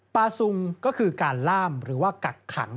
ซุงก็คือการล่ามหรือว่ากักขัง